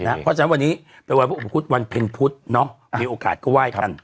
เพราะฉะนั้นวันนี้เป็นวันพระอุปคุธวันเพ็ญพุธมีโอกาสก็ไหว้กัน